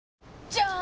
じゃーん！